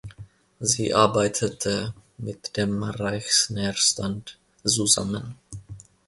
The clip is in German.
Sie arbeitete mit dem Reichsnährstand zusammen.